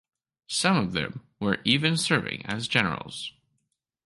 Some of them were even serving as generals.